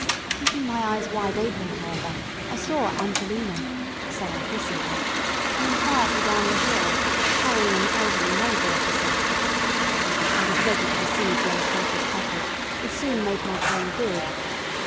Keeping my eyes wide open, however, I saw "Angelina" so I christened her coming quietly down the hill, carrying an elderly naval officer. I was ready to receive the unconscious couple, and soon made my claim good.